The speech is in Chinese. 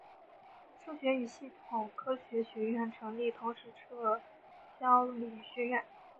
数学与系统科学学院成立同时撤销理学院。